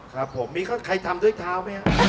ครับผมมีใครทำด้วยเท้าไหมครับ